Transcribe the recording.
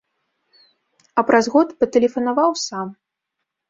А праз год патэлефанаваў сам.